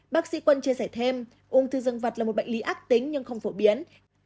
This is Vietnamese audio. bác sĩ quân chia sẻ thêm ung thư dân vật là một bệnh lý ác tính nhưng không phổ biến